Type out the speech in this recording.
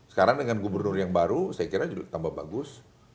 sekarang dengan gubernur yang baru saya kira juga tambah bagus